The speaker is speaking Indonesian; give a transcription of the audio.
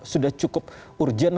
sudah cukup urgen